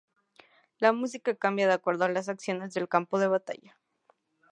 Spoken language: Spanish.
La música cambia de acuerdo las acciones del campo de batalla.